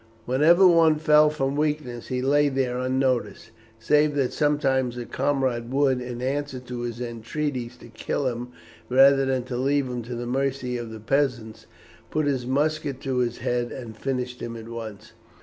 Whenever one fell from weakness, he lay there unnoticed, save that sometimes a comrade would, in answer to his entreaties to kill him rather than to leave him to the mercy of the peasants, put his musket to his head and finish him at once.